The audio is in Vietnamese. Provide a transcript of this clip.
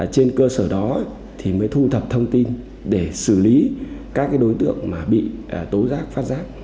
trên cơ sở đó thì mới thu thập thông tin để xử lý các đối tượng bị tố giác phát giác